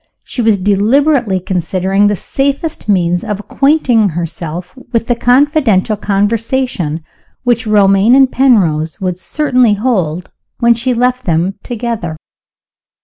She was deliberately considering the safest means of acquainting herself with the confidential conversation which Romayne and Penrose would certainly hold when she left them together.